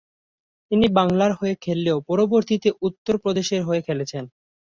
তিনি বাংলার হয়ে খেললেও পরবর্তীতে উত্তর প্রদেশের হয়ে খেলেছেন।